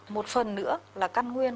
một phần nữa là căn nguyên